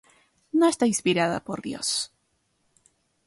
No está inspirada por Dios".